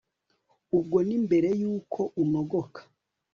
ubwo ni mbere y'uko unogoka